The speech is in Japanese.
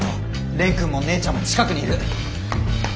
蓮くんも姉ちゃんも近くにいる！